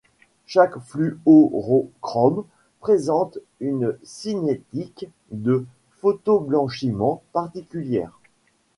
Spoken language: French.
Chaque fluorochrome présente une cinétique de photoblanchiment particulière.